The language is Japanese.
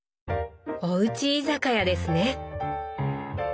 おうち居酒屋ですね！